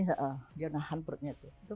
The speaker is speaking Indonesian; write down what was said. kontraksi dia nahan perutnya tuh